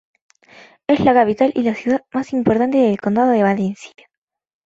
Es la capital y la ciudad más importante del condado de Valencia.